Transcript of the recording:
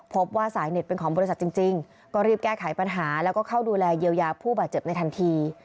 พบว่าสายเน็ตเป็นของบริษัทจริงก็รีบแก้ไขปัญหาแล้วก็เข้าดูแลเยียวยาผู้บาดเจ็บในทันที